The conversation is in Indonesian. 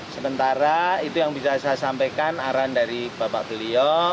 sementara itu yang bisa saya sampaikan arahan dari bapak beliau